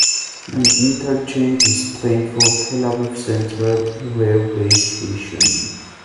An interchange is planned for Tel Aviv Central railway station.